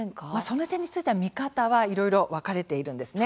その点については見方はいろいろ分かれているんです。